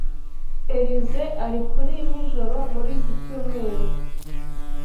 Elyse ari kuri nijoro muri iki cyumweru.